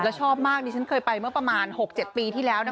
แล้วชอบมากดิฉันเคยไปเมื่อประมาณ๖๗ปีที่แล้วนะ